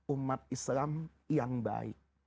umat islam yang baik